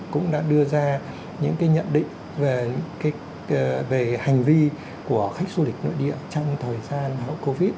cũng đã đưa ra những nhận định về hành vi của khách du lịch nội địa trong thời gian covid